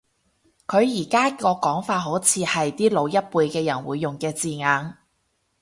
佢而家個講法好似係啲老一輩嘅人會用嘅字眼